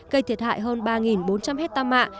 cây thiệt hại hơn ba bốn trăm linh hecta mạ